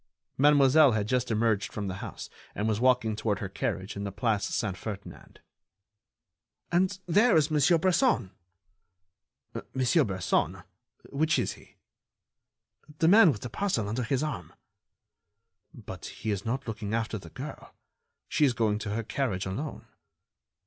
Mademoiselle had just emerged from the house and was walking toward her carriage in the Place Saint Ferdinand. "And there is Monsieur Bresson." "Monsieur Bresson? Which is he?" "The man with the parcel under his arm." "But he is not looking after the girl. She is going to her carriage alone."